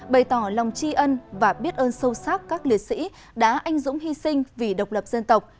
bày tỏ lòng tri ân và biết ơn sâu sắc các liệt sĩ đã anh dũng hy sinh vì độc lập dân tộc